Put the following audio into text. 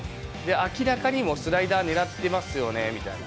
明らかにもうスライダー狙ってますよねみたいな。